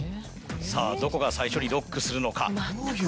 さぁどこが最初にロックするのか？